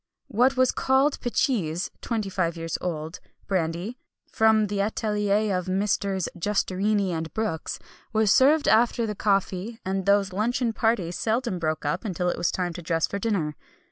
What was called picheese (twenty five years old) brandy, from the atelier of Messrs. Justerini and Brooks, was served after the coffee; and those luncheon parties seldom broke up until it was time to dress for dinner.